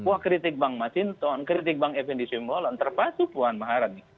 wah kritik bank macinton kritik bank fnd simbolon terpatu puan maharani